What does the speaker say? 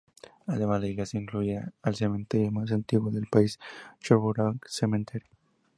Además la iglesia incluye el cementerio más antiguo del país, "Yarborough Cemetery".